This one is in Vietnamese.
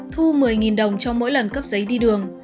thu một mươi đồng cho mỗi lần cấp giấy đi đường